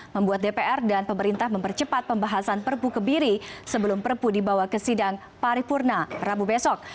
membuat dpr dan pemerintah mempercepat pembahasan perpu kebiri sebelum perpu dibawa ke sidang paripurna rabu besok